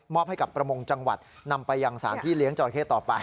อบให้กับประมงจังหวัดนำไปยังสารที่เลี้ยงจราเข้ต่อไป